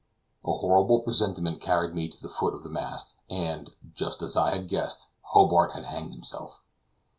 A horrible presentiment carried me to the foot of the mast, and, just as I had guessed, Hobart had hanged himself.